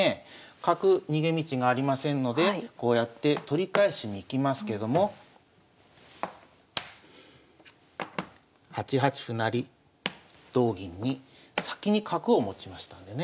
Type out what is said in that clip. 角逃げ道がありませんのでこうやって取り返しに行きますけども８八歩成同銀に先に角を持ちましたんでね